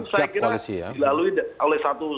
saya kira dilalui oleh satu